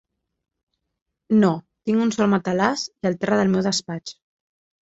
No, tinc un sol matalàs i el terra del meu despatx.